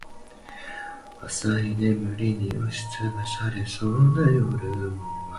我是你爹！